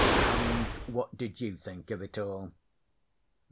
'And what did you think of it all?'